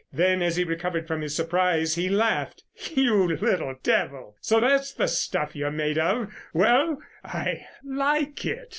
Then, as he recovered from his surprise he laughed: "You little devil! So that's the stuff you're made of. Well, I like it.